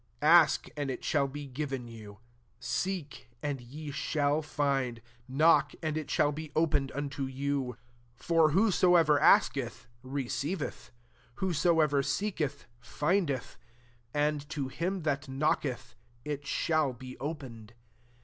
7 Ask, and it shall be given fou ; seek, and ye shall find^ knock, and it shall be op^ied unto you : 8 for whosoever asketh, receiveth; whosoever seeketh, findeth; and to him^ that knocketh it shall be opened.